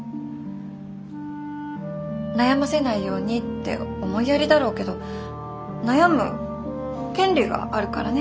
悩ませないようにって思いやりだろうけど悩む権利があるからね。